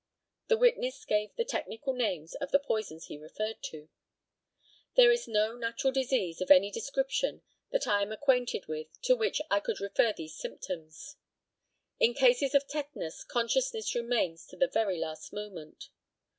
[The witness gave the technical names of the poisons he referred to.] There is no natural disease of any description that I am acquainted with to which I could refer these symptoms. In cases of tetanus consciousness remains to the very last moment.